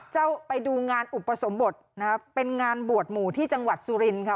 เจ้าไปดูงานอุปสมบทนะคะเป็นงานบวชหมู่ที่จังหวัดสุรินทค่ะ